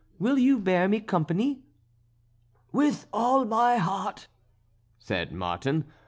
Will you bear me company?" "With all my heart," said Martin.